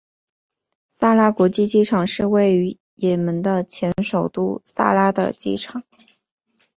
萨那国际机场是位于也门的前首都萨那的机场。